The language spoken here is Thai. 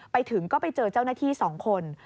ไปถึงก็ไปเจอเจ้าหน้าที่๒คน